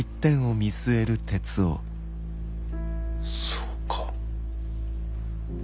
そうか。